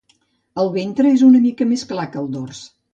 El ventre és una mica més clar que el dors.